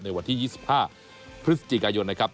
วันที่๒๕พฤศจิกายนนะครับ